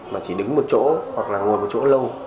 mà chỉ đứng một chỗ hoặc là ngồi một chỗ lâu